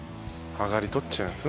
あがり取っちゃいます？